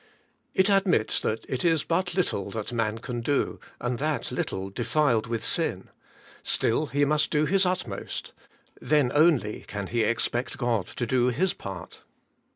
It admits that it is but little that man can do, and that little defiled with sin; still he must do his utmost, — then only can he expect God to do His part.